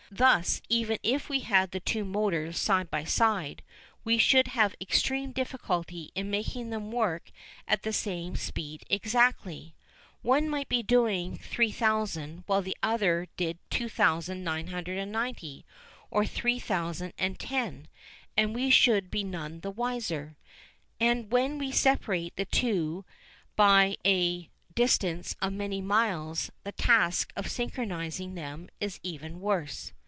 Thus, even if we had the two motors side by side, we should have extreme difficulty in making them work at the same speed exactly. One might be doing 3000 while the other did 2990 or 3010 and we should be none the wiser. And when we separate the two by a distance of many miles, the task of synchronising them is even worse.